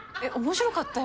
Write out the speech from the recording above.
面白かった？